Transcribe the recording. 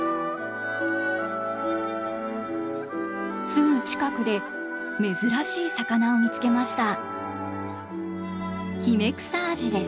すぐ近くで珍しい魚を見つけました。